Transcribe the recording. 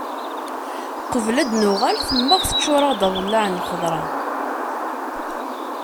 Qbel ad d-nuɣal temmeɣ teččur-aɣ-d aḍellaɛ n lxeḍra.